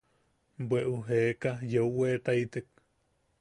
Bweʼu jeeka yeu weetaitek.